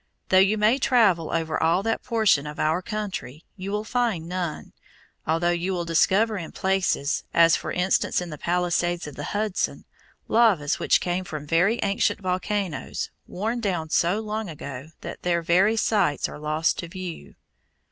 Though you may travel over all that portion of our country, you will find none, although you will discover in places, as for instance in the palisades of the Hudson, lavas which came from very ancient volcanoes, worn down so long ago that their very sites are lost to view.